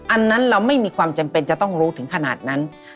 อันนั้นเราไม่มีความจำเป็นจะต้องรู้ถึงขนาดนั้น